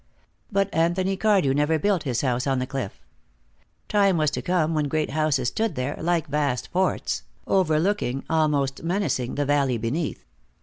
But Anthony Cardew never built his house on the cliff. Time was to come when great houses stood there, like vast forts, overlooking, almost menacing, the valley beneath.